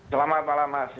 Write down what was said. selamat malam mas